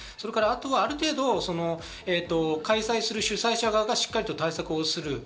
ある程度、開催する主催者側がしっかり対策をする。